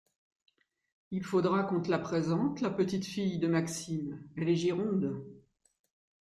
Il faudra qu’on te la présente, la petite-fille de Maxime, elle est gironde.